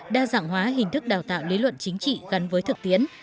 đa dạng hóa hình thức đào tạo lý luận chính trị gắn với thực tiễn